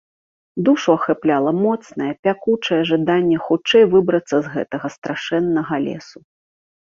Душу ахапляла моцнае, пякучае жаданне хутчэй выбрацца з гэтага страшэннага лесу.